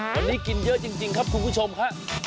วันนี้กินเยอะจริงครับคุณผู้ชมครับ